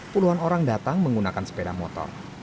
puluhan orang datang menggunakan sepeda motor